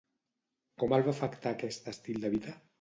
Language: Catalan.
Com el va afectar aquest estil de vida?